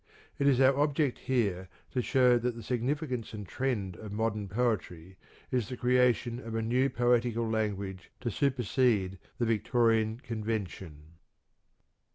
It is our object here to show that the significance and trend of modern poetry is the creation of a new poetical language to supersede the Victorian convention.